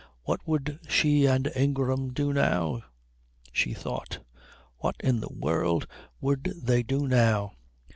What would she and Ingram do now? she thought; what in the world would they do now?